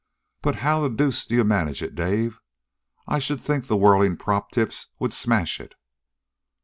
"But how the deuce do you manage it, Dave? I should think the whirling prop tips would smash it."